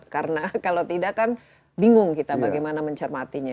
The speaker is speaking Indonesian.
karena kalau tidak kan bingung kita bagaimana mencermatinya